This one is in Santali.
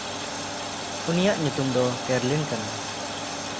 ᱩᱱᱤᱭᱟᱜ ᱧᱩᱛᱩᱢ ᱫᱚ ᱠᱮᱨᱞᱤᱱ ᱠᱟᱱᱟ᱾